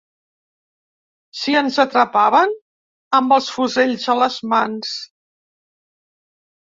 Si ens atrapaven amb els fusells a les mans